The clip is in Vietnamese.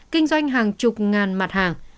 kinh doanh hàng chục ngàn mặt hàng